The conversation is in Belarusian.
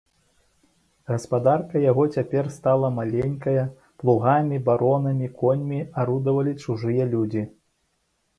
Гаспадарка яго цяпер стала маленькая, плугамі, баронамі, коньмі арудавалі чужыя людзі.